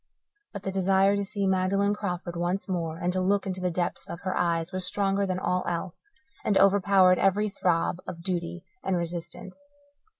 But the desire to see Magdalen Crawford once more and to look into the depths of her eyes was stronger than all else, and overpowered every throb of duty and resistance.